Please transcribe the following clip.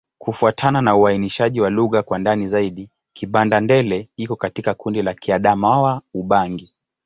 Kufuatana na uainishaji wa lugha kwa ndani zaidi, Kibanda-Ndele iko katika kundi la Kiadamawa-Ubangi.